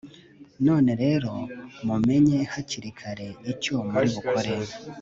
none rero, mumenye hakiri kare icyo muri bukore